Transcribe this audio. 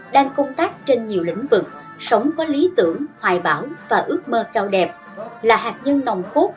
đang công tác trên nhiều lĩnh vực sống có lý tưởng hoài bảo và ước mơ cao đẹp là hạt nhân nòng cốt